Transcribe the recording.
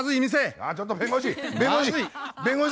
あっちょっと弁護士！